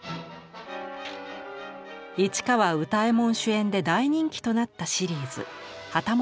市川右太衛門主演で大人気となったシリーズ「旗本退屈男」。